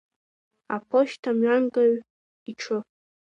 Аԥошьҭамҩангаҩ иҽы…